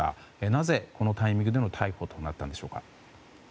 なぜ、このタイミングでの逮捕となったんでしょうか。